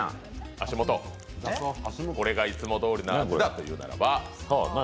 これがいつもどおりの味だというならば。